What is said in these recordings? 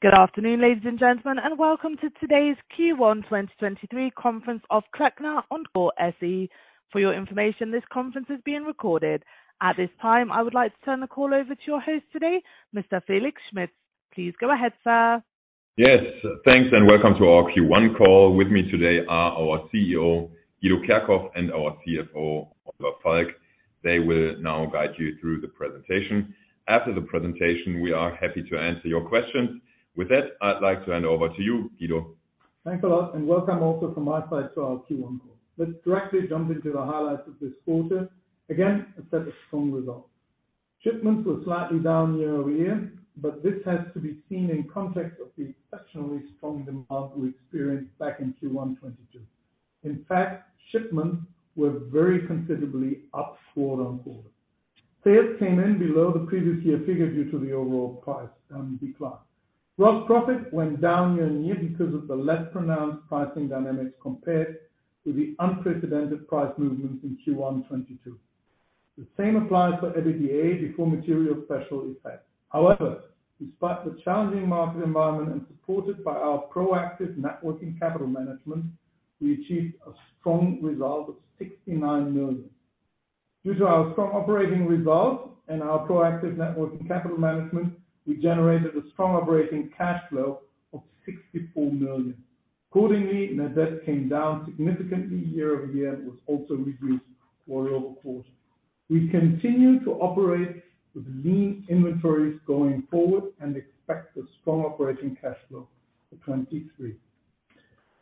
Good afternoon, ladies and gentlemen, Welcome to Today's Q1 2023 Conference of Klöckner & Co SE. For your information, this conference is being recorded. At this time I would like to turn the call over to your host today, Mr. Felix Schmitz. Please go ahead, Sir. Yes. Thanks. Welcome to our Q1 call. With me today are our CEO, Guido Kerkhoff, and our CFO, Oliver Falk. They will now guide you through the presentation. After the presentation, we are happy to answer your questions. With that, I'd like to hand over to you, Guido. Thanks a lot. Welcome also from my side to our Q1 call. Let's directly jump into the highlights of this quarter. Again, a set of strong results. Shipments were slightly down year-over-year, but this has to be seen in context of the exceptionally strong demand we experienced back in Q1 2022. In fact, shipments were very considerably up quarter-on-quarter. Sales came in below the previous year figure due to the overall price decline. Gross profit went down year-on-year because of the less pronounced pricing dynamics compared to the unprecedented price movements in Q1 2022. The same applies for EBITDA before material special effects. However, despite the challenging market environment and supported by our proactive net working capital management, we achieved a strong result of 69 million. Due to our strong operating results and our proactive net working capital management, we generated a strong Operating Cash Flow of 64 million. Net debt came down significantly year-over-year and was also reduced quarter-over-quarter. We continue to operate with lean inventories going forward and expect a strong Operating Cash Flow for 2023.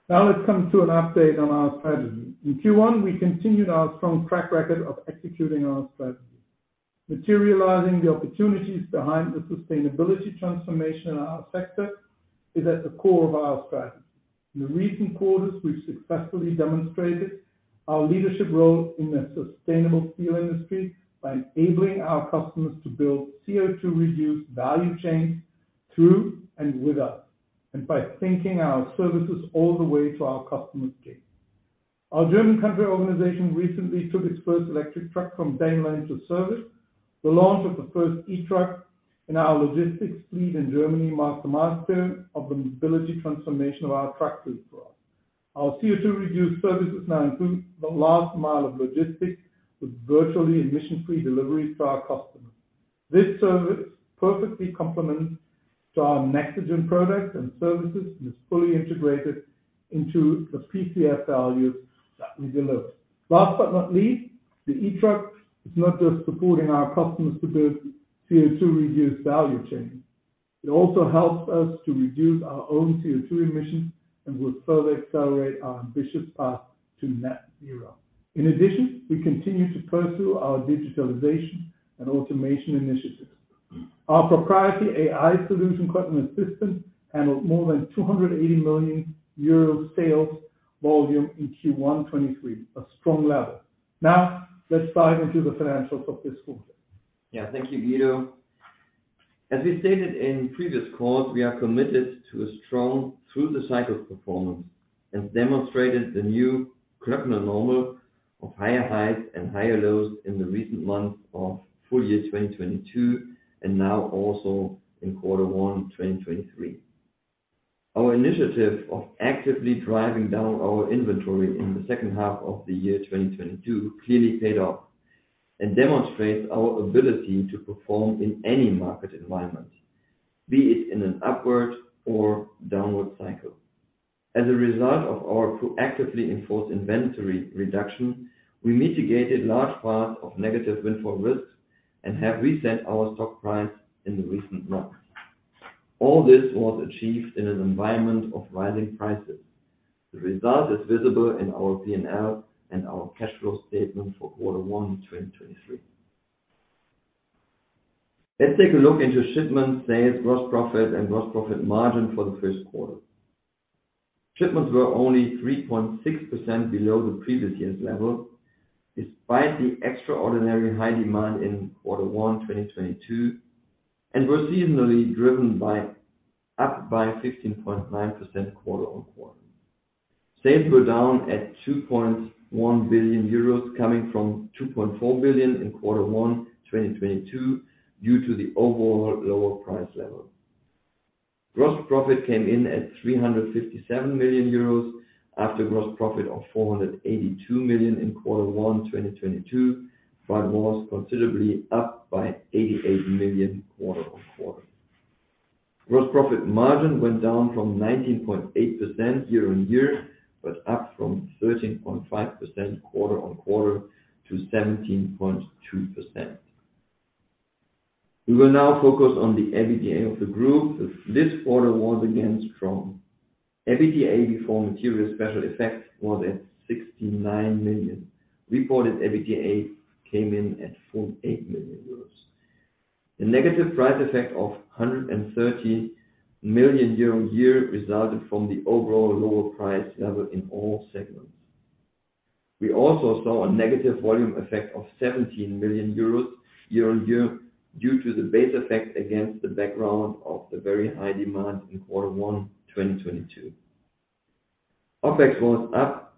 Let's come to an update on our strategy. In Q1, we continued our strong track record of executing our strategy. Materializing the opportunities behind the sustainability transformation in our sector is at the core of our strategy. In the recent quarters, we've successfully demonstrated our leadership role in the sustainable steel industry by enabling our customers to build CO2-reduced value chains through and with us, and by thinking our services all the way to our customer's gate. Our German country organization recently took its first electric truck from Daimler into service. The launch of the first e-truck in our logistics fleet in Germany marks a milestone of the mobility transformation of our truck fleet for us. Our CO2-reduced services now include the last mile of logistics with virtually emission-free deliveries to our customers. This service perfectly complements to our Nexigen products and services and is fully integrated into the PCF values that we deliver. Last but not least, the e-truck is not just supporting our customers to build CO2-reduced value chain, it also helps us to reduce our own CO2 emissions and will further accelerate our ambitious path to net zero. In addition, we continue to pursue our Digitalization and automation initiatives. Our proprietary AI solution, Klöckner Assistant, handled more than 280 million euro sales volume in Q1 2023. A strong level. Let's dive into the financials of this quarter. Thank you, Guido as we stated in previous calls, we are committed to a strong through-the-cycle performance and demonstrated the new Klöckner normal of higher highs and higher lows in the recent months of full year 2022, and now also in quarter one, 2023. Our initiative of actively driving down our inventory in the second half of the year 2022 clearly paid off and demonstrates our ability to perform in any market environment, be it in an upward or downward cycle. As a result of our proactively enforced inventory reduction, we mitigated large parts of negative windfall risks and have reset our stock price in the recent months. All this was achieved in an environment of rising prices. The result is visible in our P&L and our cash flow statement for quarter one, 2023. Let's take a look into shipments, sales, gross profit, and gross profit margin for the first quarter. Shipments were only 3.6% below the previous year's level, despite the extraordinary high demand in Q1 2022, and were seasonally up by 15.9% quarter-on-quarter. Sales were down at 2.1 billion euros, coming from 2.4 billion in Q1 2022 due to the overall lower price level. Gross profit came in at 357 million euros after gross profit of 482 million in Q1 2022, but was considerably up by 88 million quarter-on-quarter. Gross profit margin went down from 19.8% year-on-year, but up from 13.5% quarter-on-quarter to 17.2%. We will now focus on the EBITDA of the group as this quarter was again strong. EBITDA before material special effects was at 69 million. Reported EBITDA came in at 48 million euros. The negative price effect of 130 million euro year-on-year resulted from the overall lower price level in all segments. We also saw a negative volume effect of 17 million euros year-on-year due to the base effect against the background of the very high demand in quarter one, 2022. OPEX was up,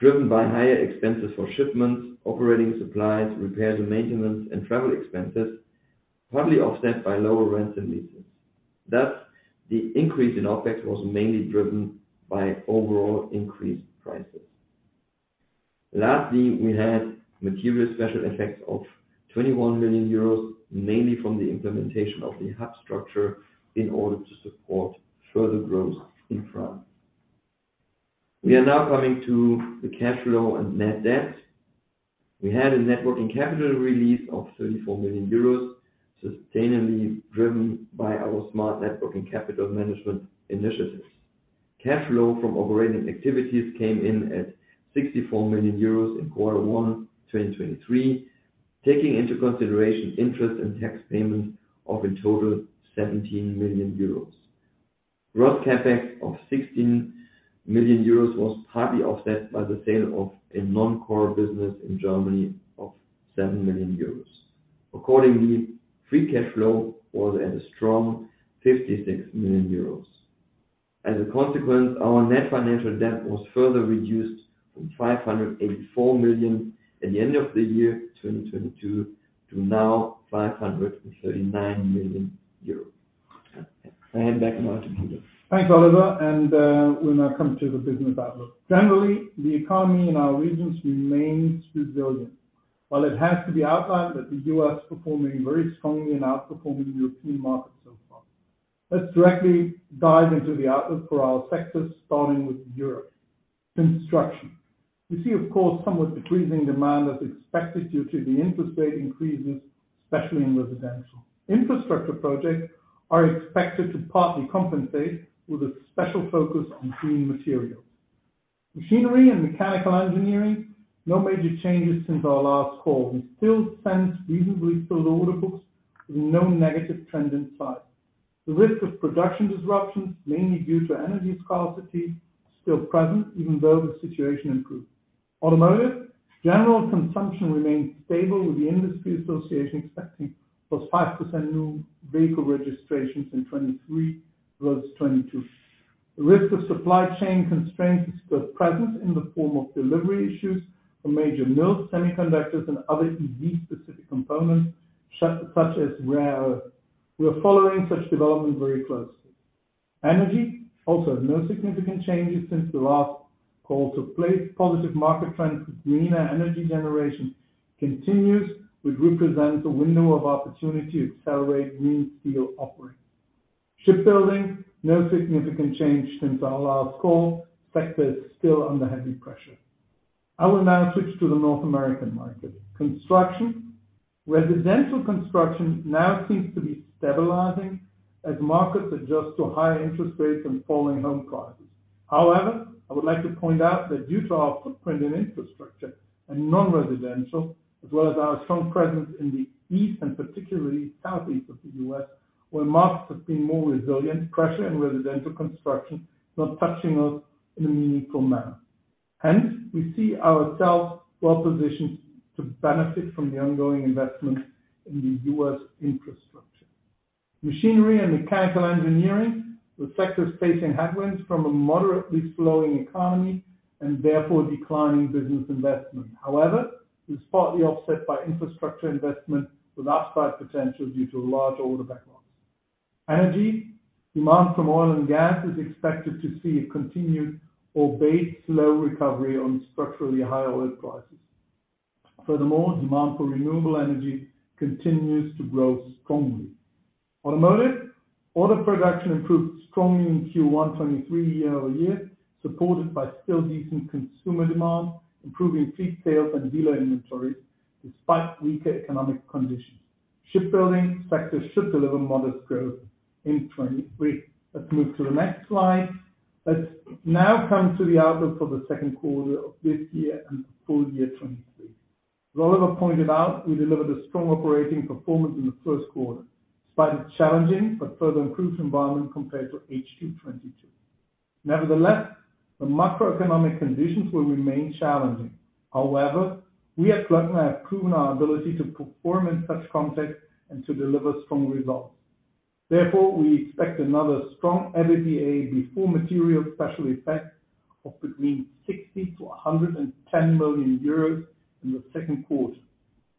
driven by higher expenses for shipments, operating supplies, repairs and maintenance and travel expenses, partly offset by lower rents and leases. Thus, the increase in OPEX was mainly driven by overall increased prices. Lastly, we had material special effects of 21 million euros, mainly from the implementation of the hub structure in order to support further growth in France. We are now coming to the cash flow and net debt. We had a net working capital release of 34 million euros, sustainably driven by our smart net working capital management initiatives. Cash flow from operating activities came in at 64 million euros in Q1 2023, taking into consideration interest and tax payments of a total 17 million euros. Gross CapEx of 16 million euros was partly offset by the sale of a non-core business in Germany of 7 million euros. Accordingly, Free Cash Flow was at a strong 56 million euros. As a consequence, our net financial debt was further reduced from 584 million at the end of 2022 to now 539 million euros. I hand back now to Guido. We now come to the business outlook. Generally, the economy in our regions remains resilient. While it has to be outlined that the U.S. is performing very strongly in outperforming European markets so far. Let's directly dive into the outlook for our sectors, starting with Europe. Construction we see of course, somewhat decreasing demand as expected due to the interest rate increases, especially in residential. Infrastructure projects are expected to partly compensate with a special focus on green materials. Machinery and mechanical engineering, no major changes since our last call. We still sense reasonably filled order books with no negative trend in sight. The risk of production disruptions, mainly due to energy scarcity, is still present even though the situation improved. Automotive, General consumption remains stable, with the industry association expecting +5% new vehicle registrations in 2023 versus 2022. The risk of supply chain constraints is still present in the form of delivery issues for major mills, semiconductors and other EV specific components such as rare earth. We are following such development very closely. Energy also no significant changes since the last call. Positive market trends with greener energy generation continues, which represents a window of opportunity to accelerate green steel offering. Shipbuilding. No significant change since our last call. Sector is still under heavy pressure. I will now switch to the North American market. Construction, Residential construction now seems to be stabilizing as markets adjust to higher interest rates and falling home prices. However, I would like to point out that due to our footprint in infrastructure and non-residential, as well as our strong presence in the east and particularly southeast of the U.S., where markets have been more resilient, pressure in residential construction is not touching us in a meaningful manner. Hence, we see ourselves well positioned to benefit from the ongoing investment in the U.S. infrastructure. Machinery and mechanical engineering. The sector is facing headwinds from a moderately slowing economy and therefore declining business investment. However, it is partly offset by infrastructure investment with upside potential due to large order backlogs. Energy, demand from oil and gas is expected to see a continued or base low recovery on structurally higher oil prices. Furthermore, demand for renewable energy continues to grow strongly. Automotive. Order production improved strongly in Q1 2023 year-over-year, supported by still decent consumer demand, improving fleet sales and dealer inventories despite weaker economic conditions. Shipbuilding sector should deliver modest growth in 2023. Let's move to the next slide. Let's now come to the outlook for the second quarter of this year and full year 2023. As Oliver pointed out, we delivered a strong operating performance in the first quarter, despite a challenging but further improved environment compared to H2 2022. Nevertheless, the macroeconomic conditions will remain challenging. However, we at Klöckner have proven our ability to perform in such context and to deliver strong results. Therefore, we expect another strong EBITDA before material special effect of between 60 million-110 million euros in the second quarter.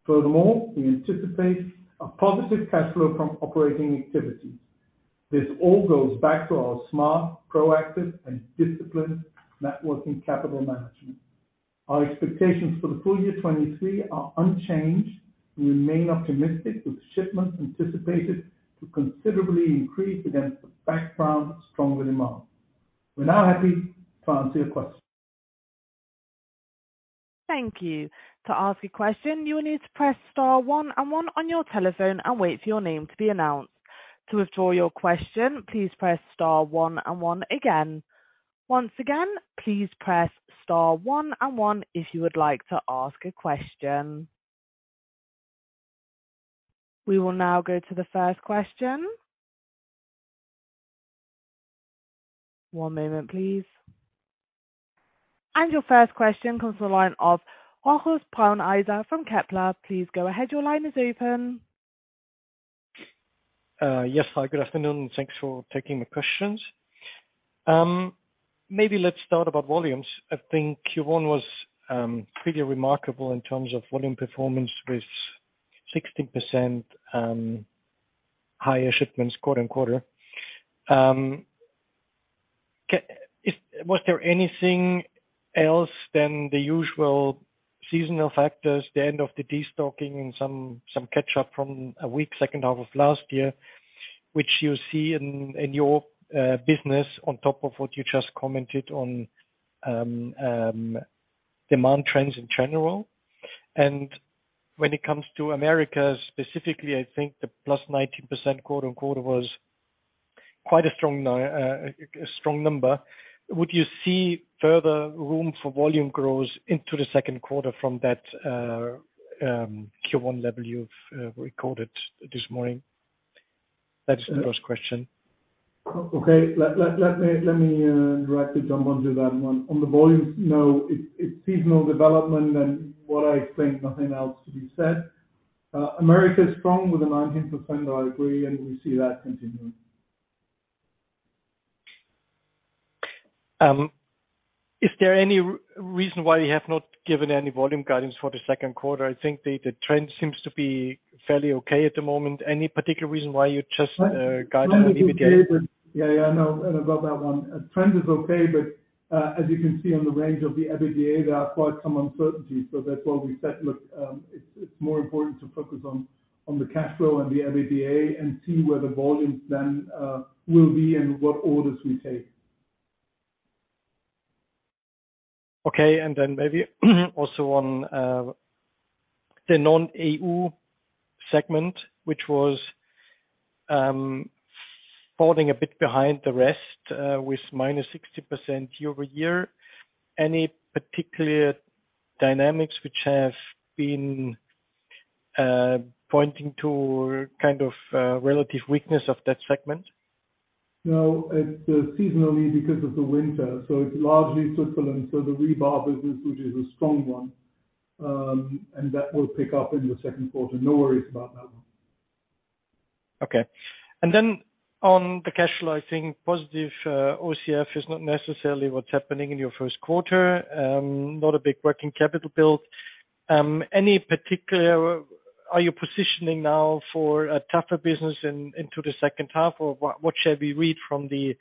Furthermore, we anticipate a positive cash flow from operating activities. This all goes back to our smart, proactive, and disciplined net working capital management. Our expectations for the full year 2023 are unchanged. We remain optimistic with shipments anticipated to considerably increase against the background of stronger demand. We're now happy to answer your questions. Thank you. To ask a question, you will need to press star one and one on your telephone and wait for your name to be announced. To withdraw your question, please press star one and one again. Once again, please press star one and one if you would like to ask a question. We will now go to the first question. One moment please. Your first question comes from the line of Rochus Brauneiser from Kepler. Please go ahead. Your line is open. Yes. Hi good afternoon, thanks for taking my questions. Maybe let's start about volumes. I think Q1 was pretty remarkable in terms of volume performance with 60% higher shipments quarter-on-quarter. Was there anything else than the usual seasonal factors, the end of the destocking and some catch-up from a weak second half of last year, which you see in your business on top of what you just commented on demand trends in general? When it comes to Americas, specifically, I think the +19% quarter-on-quarter was quite a strong number. Would you see further room for volume growth into the second quarter from that Q1 level you've recorded this morning? That's the first question. Okay. Let me directly jump onto that one. On the volumes no, it's seasonal development and what I think nothing else to be said. America is strong with the 19%, I agree, and we see that continuing. Is there any reason why you have not given any volume guidance for the second quarter? I think the trend seems to be fairly okay at the moment. Any particular reason why you just guide on EBITDA? Yeah, yeah, I know about that one. Trend is okay, but as you can see on the range of the EBITDA, there are quite some uncertainties. That's why we said, look, it's more important to focus on the cash flow and the EBITDA and see where the volumes then will be and what orders we take. Okay. Maybe also on the non-US segment, which was falling a bit behind the rest, with -60% year-over-year. Any particular dynamics which have been pointing to kind of relative weakness of that segment? No. It's seasonally because of the winter, so it's largely Switzerland. The rebar business, which is a strong one, and that will pick up in the second quarter. No worries about that one. Okay. On the cash flow, I think positive OCF is not necessarily what's happening in your first quarter. Not a big Working capital build. Are you positioning now for a tougher business in, into the second half? Or what shall we read from the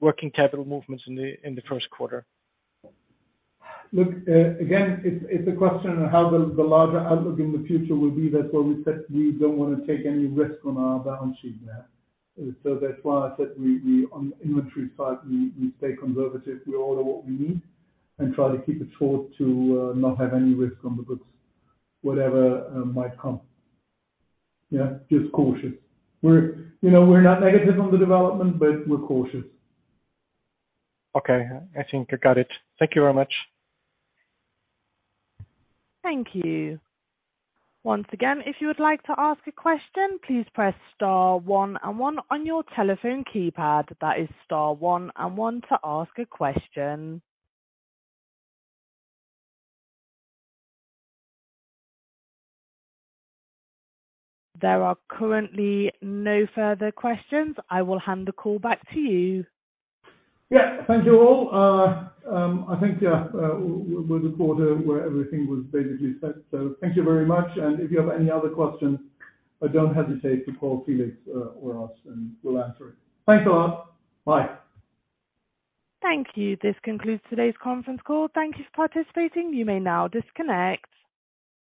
working capital movements in the, in the first quarter? Look, again it's a question of how the larger outlook in the future will be. That's why we said we don't wanna take any risk on our balance sheet now. That's why I said we on the inventory side, we stay conservative. We order what we need and try to keep it short to not have any risk on the goods, whatever might come. Yeah, just cautious. We're, you know, we're not negative on the development, but we're cautious. Okay. I think I got it. Thank you very much. Thank you. Once again, if you would like to ask a question, please press star one and one on your telephone keypad. That is star one and one to ask a question. There are currently no further questions. I will hand the call back to you. Yeah. Thank you all. I think yeah, was a quarter where everything was basically said. Thank you very much. If you have any other questions, don't hesitate to call Felix or us, and we'll answer it. Thanks a lot. Bye. Thank you. This concludes today's conference call. Thank you for participating. You may now disconnect.